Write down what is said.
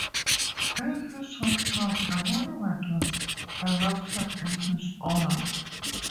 In his hometown a monument was erected in his honour.